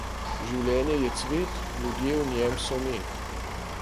Življenje je cvet, ljudje v njem so med.